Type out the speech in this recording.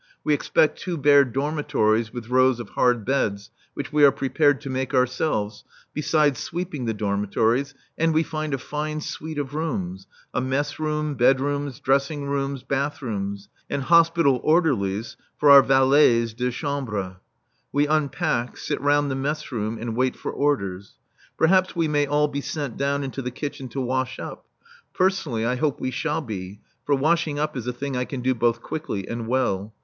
We expect two bare dormitories with rows of hard beds, which we are prepared to make ourselves, besides sweeping the dormitories, and we find a fine suite of rooms a mess room, bedrooms, dressing rooms, bathrooms and hospital orderlies for our valets de chambre. We unpack, sit round the mess room and wait for orders. Perhaps we may all be sent down into the kitchen to wash up. Personally, I hope we shall be, for washing up is a thing I can do both quickly and well.